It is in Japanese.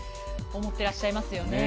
思ってらっしゃいますよね。